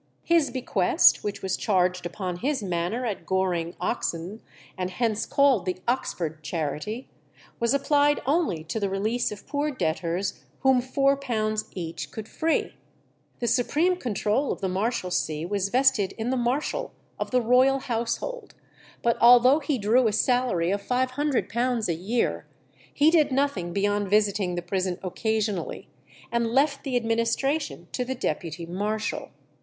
His bequest, which was charged upon his manor at Goring, Oxon, and hence called the Oxford Charity, was applied only to the release of poor debtors whom £4 each could free. The supreme control of the Marshalsea was vested in the marshal of the royal household; but although he drew a salary of £500 a year, he did nothing beyond visiting the prison occasionally, and left the administration to the deputy marshal.